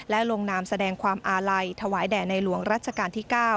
และลงนามแสดงความอาลัยถวายแด่ในหลวงรัชกาลที่๙